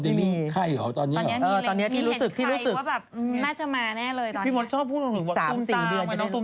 ใช่ไม่ใช่ไม่มีโมเดมิค